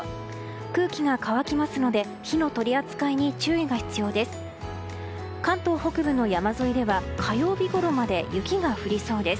空気が乾きますので火の取り扱いに注意が必要です。